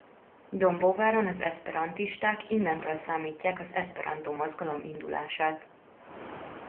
Dombóváron az eszperantisták innentől számítják az eszperantó mozgalom indulását.